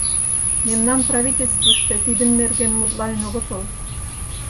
— Мемнан правительствыште тидын нерген мутланен огытыл.